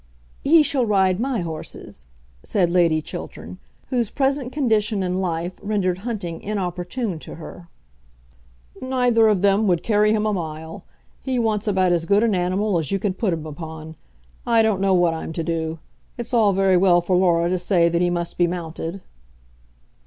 "He shall ride my horses," said Lady Chiltern, whose present condition in life rendered hunting inopportune to her. "Neither of them would carry him a mile. He wants about as good an animal as you can put him upon. I don't know what I'm to do. It's all very well for Laura to say that he must be mounted."